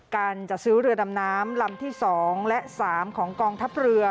การจัดซื้อเรือดำน้ำลำที่๒และ๓ของกองทัพเรือ